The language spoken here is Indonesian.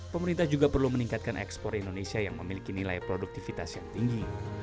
pemerintah juga perlu meningkatkan ekspor indonesia yang memiliki nilai produktivitas yang tinggi